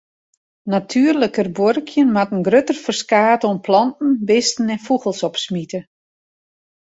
Natuerliker buorkjen moat in grutter ferskaat oan planten, bisten en fûgels opsmite.